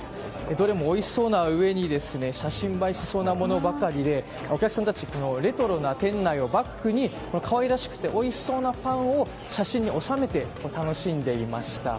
どれもおいしそうなうえに写真映えしそうなものばかりでお客さんたちはレトロな店内をバックに可愛らしくておいしそうなパンを写真に収めて楽しんでいました。